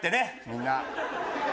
みんな。